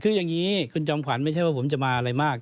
คืออย่างนี้คุณจอมขวัญไม่ใช่ว่าผมจะมาอะไรมาก